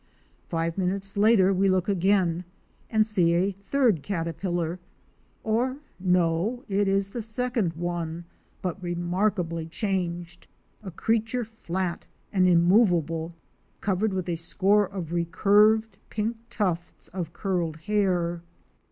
Five minutes later we look again and see a third caterpillar — or no, it is the second one, but remarkably changed — a crea ture flat and immovable, covered with a score of recurved pink tufts of curled hair.